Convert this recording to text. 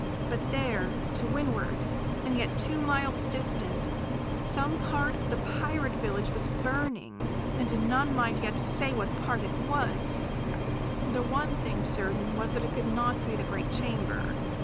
But there, to windward, and yet two miles distant, some part of the pirate village was burning, and none might say yet what part it was. The one thing certain was that it could not be the great chamber.